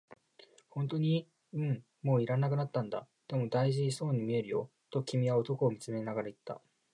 「本当に？」、「うん、もう要らなくなったんだ」、「でも、大事そうに見えるよ」と君は男を見つめながら言った。